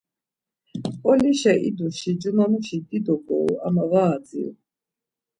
Mp̌olişa iduşi cumamuşi dido goru ama var adziru.